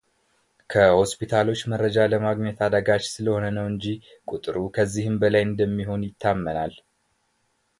ከሆስፒታሎች መረጃ ለማግኘት አዳጋች ስለሆነ ነው እንጂ ቁጥሩ ከዚህም በላይ እንደሚሆን ይታመናል።